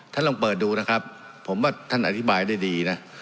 ท่านลองเปิดดูนะครับผมว่าท่านอธิบายได้ดีนะ